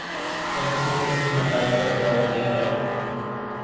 کیا کسی نے اس کے نتائج پر غور کیا ہے؟